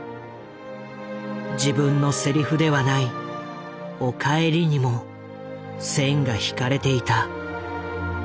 自分のセリフではない「お帰り」にも線が引かれていた。